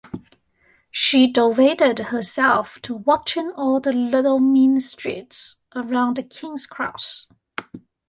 She devoted herself to watching all the little mean streets round King's Cross.